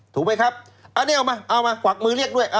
ถูกไหมครับเอามาขวักมือเรียกด้วย